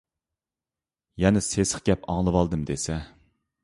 يەنە سېسىق گەپ ئاڭلىۋالدىم دېسە.